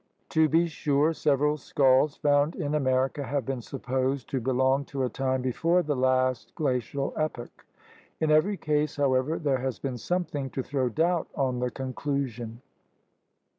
To be sure, several skulls found in America have been supposed to belong to a time before the last glacial epoch. In every case, how ever, there has been something to throw doubt on the conclusion.